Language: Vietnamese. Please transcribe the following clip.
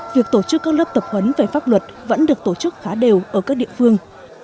việc tổ chức các lớp tập huấn về pháp luật vẫn được tổ chức khá đều ở các địa phương